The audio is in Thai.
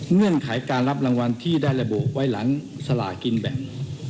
เงื่อนไขการรับรางวัลที่ได้ระบุไว้หลังสลากินแบ่ง